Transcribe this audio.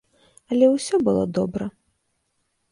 Але ўсё было добра.